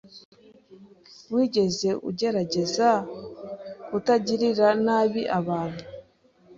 Wigeze ugerageza kutagirira nabi abantu?